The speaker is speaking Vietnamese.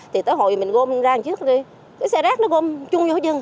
thì tới hồi mình gom ra trước đi cái xe rác nó gom chung vô chừng